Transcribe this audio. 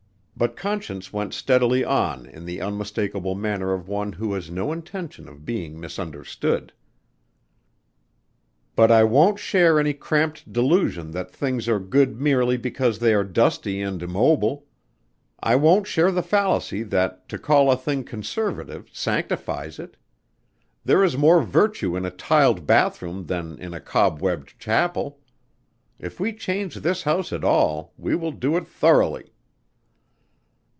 But Conscience went steadily on in the unmistakable manner of one who has no intention of being misunderstood. "But I won't share any cramped delusion that things are good merely because they are dusty and immobile. I won't share the fallacy that to call a thing conservative sanctifies it. There is more virtue in a tiled bathroom than in a cob webbed chapel. If we change this house at all we will do it thoroughly."